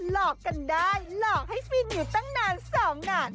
หลอกกันได้หลอกให้ฟินอยู่ตั้งนานสองนาน